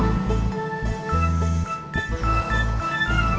kok mau lagi ya neng